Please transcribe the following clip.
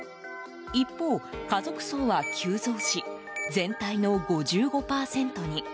一方、家族葬は急増し全体の５５％に。